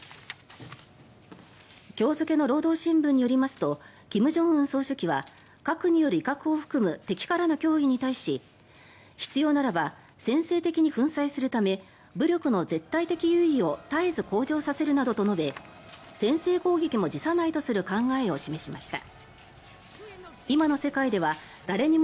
今日付けの労働新聞によりますと金正恩総書記は核による威嚇を含む敵からの脅威に対し必要ならば先制的に粉砕するため武力の絶対的優位を絶えず向上させるなどと述べ先制攻撃も辞さないとする考えを示しました。